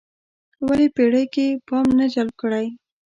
ولې پېړیو کې پام نه جلب کړی.